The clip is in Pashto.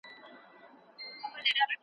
هغه په کار کې ډېر زیات مصروف دی.